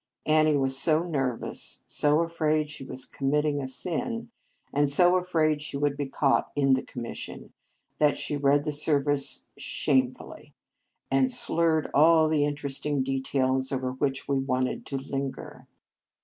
Annie was so nervous, so afraid she was committing a sin, and so afraid she would be caught in the commission, that she read the service shamefully, and slurred all the inter esting details over which we wanted to linger.